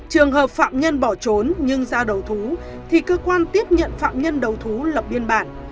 trường hợp phạm nhân bỏ trốn nhưng ra đầu thú thì cơ quan tiếp nhận phạm nhân đầu thú lập biên bản